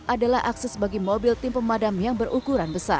adalah akses bagi mobil tim pemadam yang berukuran besar